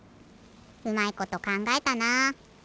うまいことかんがえたな。